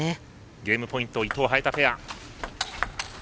ゲームポイント伊藤、早田ペア。